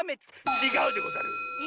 ちがうでござる！